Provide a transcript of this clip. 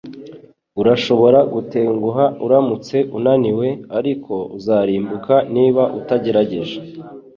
Urashobora gutenguha uramutse unaniwe, ariko uzarimbuka niba utagerageje.”